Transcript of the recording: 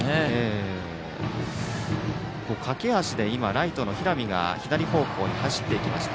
駆け足でライトの平見が左方向に走っていきました。